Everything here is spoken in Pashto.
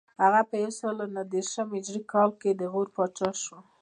هغه په یو سل نهه دېرش هجري کال کې د غور پاچا شو